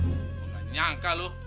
gua gak nyangka loh